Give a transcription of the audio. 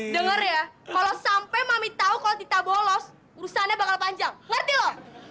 denger ya kalau sampai mami tau kalau kita bolos urusannya bakal panjang ngerti lo